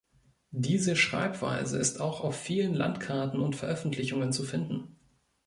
Diese Schreibweise ist auch auf vielen Landkarten und Veröffentlichungen zu finden.